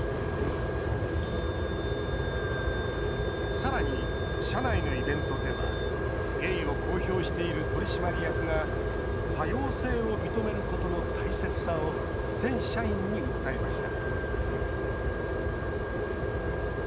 さらに社内のイベントではゲイを公表している取締役が多様性を認めることの大切さを全社員に訴えました